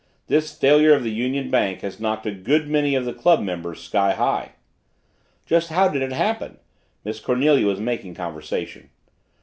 "This failure of the Union Bank has knocked a good many of the club members sky high." "Just how did it happen?" Miss Cornelia was making conversation.